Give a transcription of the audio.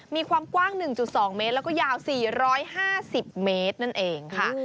มีความกว้าง๑๒เมตรแล้วก็ยาว๔๕๐เมตรนั่นเองค่ะ